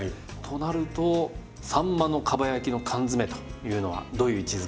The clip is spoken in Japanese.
となるとさんまのかば焼きの缶詰というのはどういう位置づけでしょうか。